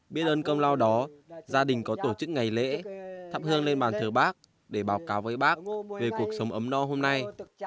biết ơn công lao đó gia đình có tổ chức ngày lễ thắp hương lên bàn thờ bác để báo cáo với bác về cuộc sống ấm no hôm nay